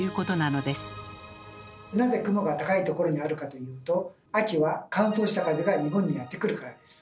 なぜ雲が高いところにあるかというと秋は乾燥した風が日本にやってくるからです。